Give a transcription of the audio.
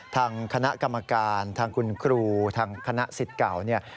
ทางคณะกรรมการทางคุณครูทางคณะสิทธิ์เก่าเนี่ย